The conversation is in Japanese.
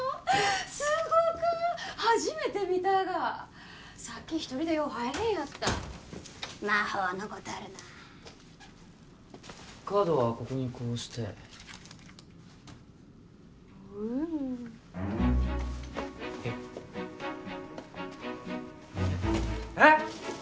すごか初めて見たやがさっき一人でよう入れんやった魔法のごたるなあカードはここにこうしてウウーッえっえっ！？